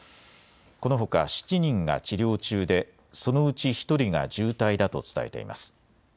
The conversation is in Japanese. このほか７人が治療中でそのうち１人が重体だと伝えています。